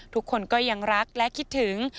ทุกคนก็ยังรักและคิดถึง